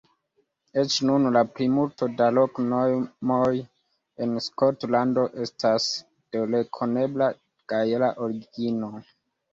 Eĉ nun, la plimulto da loknomoj en Skotlando estas de rekonebla gaela origino.